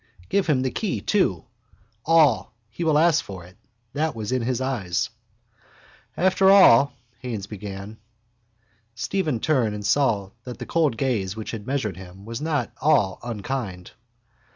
Give him the key too. All. He will ask for it. That was in his eyes. —After all, Haines began... Stephen turned and saw that the cold gaze which had measured him was not all unkind.